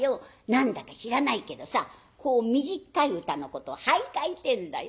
何だか知らないけどさこう短い歌のことを俳諧ってえんだよ。